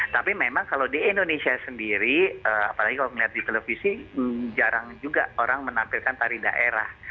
tapi memang kalau di indonesia sendiri apalagi kalau melihat di televisi jarang juga orang menampilkan tari daerah